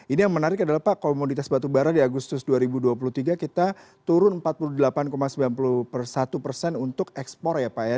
ini yang menarik adalah pak komoditas batubara di agustus dua ribu dua puluh tiga kita turun empat puluh delapan sembilan puluh satu persen untuk ekspor ya pak ya